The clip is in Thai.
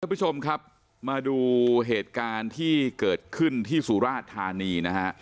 คุณผู้ชมครับมาดูเหตุการณ์ที่เกิดขึ้นที่สุราชธานีนะฮะ